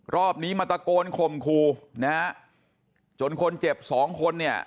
รอบนี้มรดโตกรขมครูนะจนคนเจ็บสองคนนี่